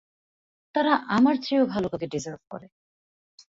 তারা আমার চেয়েও ভালো কাউকে ডিসার্ভ করে।